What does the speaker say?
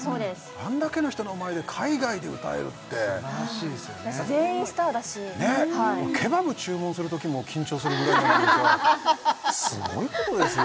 あんだけの人の前で海外で歌えるって全員スターだしケバブ注文するときも緊張するぐらいなのにさすごいことですよね